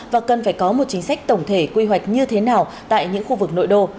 và cần phải có một chính sách tổng thể quy hoạch như thế nào tại những khu vực nội đô